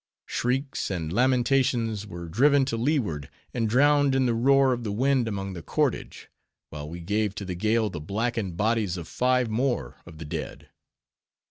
Shrieks and lamentations were driven to leeward, and drowned in the roar of the wind among the cordage; while we gave to the gale the blackened bodies of five more of the dead.